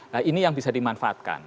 nah ini yang bisa dimanfaatkan